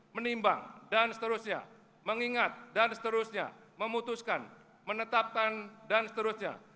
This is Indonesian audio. menimbang dan seterusnya mengingat dan seterusnya memutuskan menetapkan dan seterusnya